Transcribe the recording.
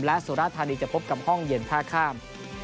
และสุรธานีจะพบกับห้องเย็นท่าข้าม